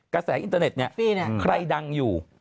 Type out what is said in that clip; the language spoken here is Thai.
กระแสอินเตอร์เน็ตเนี่ยใครดังอยู่